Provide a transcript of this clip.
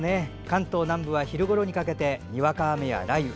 関東南部は、昼ごろにかけてにわか雨や雷雨。